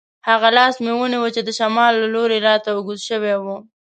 هغه لاس مې ونیو چې د شمال له لوري راته اوږد شوی وو.